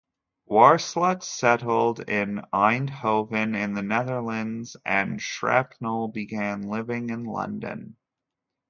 Warslut settled in Eindhoven in the Netherlands and Shrapnel began living in London.